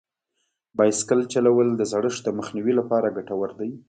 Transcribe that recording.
بایسکل چلول د زړښت د مخنیوي لپاره ګټور دي.